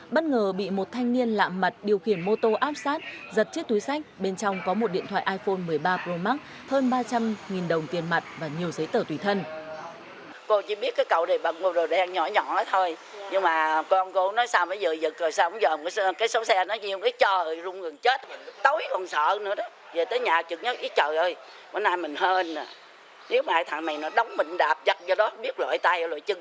bất ngờ bị một thanh niên lạm mặt điều khiển mô tô áp sát giật chiếc túi sách bên trong có một điện thoại iphone một mươi ba pro max hơn ba trăm linh đồng tiền mặt và nhiều giấy tờ tùy thân